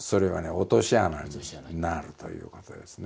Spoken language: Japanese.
落とし穴になるということですね。